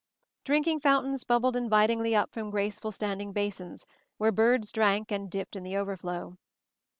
Drinking fountains bubbled invitingly up from graceful standing basins, where birds drank and dipped in the overflow.